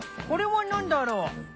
これは何だろう？